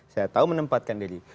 saya tahu menempatkan diri